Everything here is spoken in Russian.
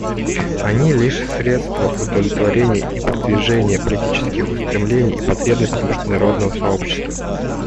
Они лишь средства удовлетворения и продвижения политических устремлений и потребностей международного сообщества.